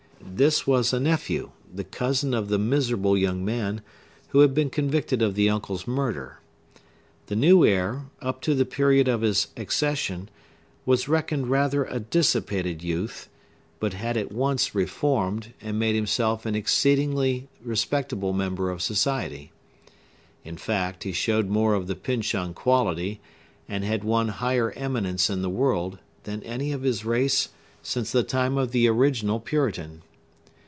This was a nephew, the cousin of the miserable young man who had been convicted of the uncle's murder. The new heir, up to the period of his accession, was reckoned rather a dissipated youth, but had at once reformed, and made himself an exceedingly respectable member of society. In fact, he showed more of the Pyncheon quality, and had won higher eminence in the world, than any of his race since the time of the original Puritan.